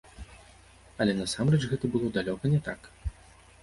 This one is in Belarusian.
Але насамрэч гэта было далёка не так.